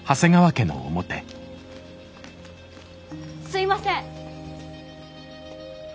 すいません。